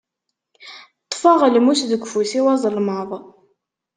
Ṭṭfeɣ lmus deg ufus-iw azelmaḍ.